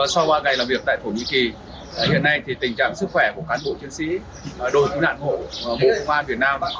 sau ba ngày làm việc tại thổ nhĩ kỳ hiện nay tình trạng sức khỏe của cán bộ chiến sĩ đội cứu nạn hộ bộ công an việt nam